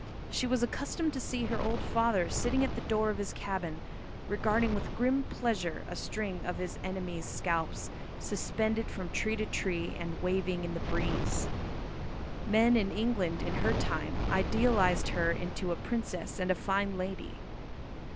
She was accustomed to see her old father sitting at the door of his cabin regarding with grim pleasure a string of his enemy's scalps, suspended from tree to tree, and waving in the breeze. Men in England in her time idealised her into a princess and fine lady.